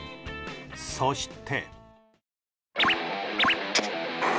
そして。